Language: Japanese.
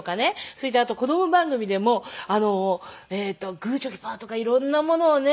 それからあと子供番組でも『グーチョキパー』とか色んなものをね